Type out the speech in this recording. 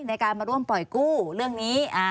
ในการมาร่วมปล่อยกู้เรื่องนี้